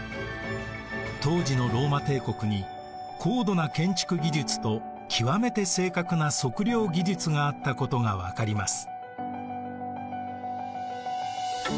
当時のローマ帝国に高度な建築技術と極めて正確な測量技術があったことが分かります。